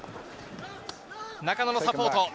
中野のサポート。